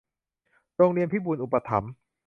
โรงเรียนพิบูลย์อุปถัมภ์